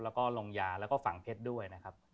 แล้วก็ลงยาแล้วก็ฝังเพชรด้วยนะครับ